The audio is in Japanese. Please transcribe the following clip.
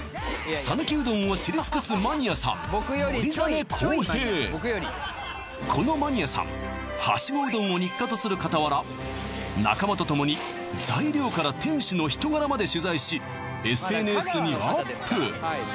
讃岐うどんを知り尽くすマニアさん守實洸平このマニアさんはしごうどんを日課とする傍ら仲間とともに材料から店主の人柄まで取材しＳＮＳにアップ